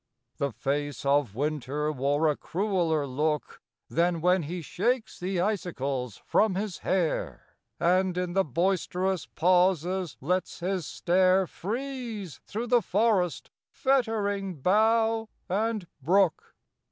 The face of Winter wore a crueler look Than when he shakes the icicles from his hair, And, in the boisterous pauses, lets his stare Freeze through the forest, fettering bough and brook.